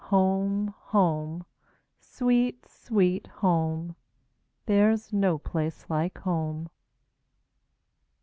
home! sweet, sweet home! There 's no place like home!